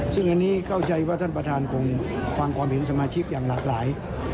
ซึ่งอันนี้เข้าใจว่าท่านประธานคงฟังความเห็นสมาชิกอย่างหลากหลาย